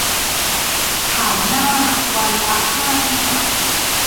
ขายหน้าวันละห้าเบี้ย